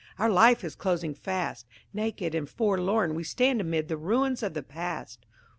Our life is closing fast. Naked and forlorn we stand amid the ruins of the past."